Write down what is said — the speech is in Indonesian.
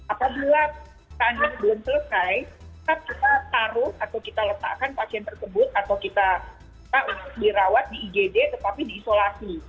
apabila kan yang belum selesai kita taruh atau kita letakkan pasien tersebut atau kita dirawat di igd tetapi diisolasi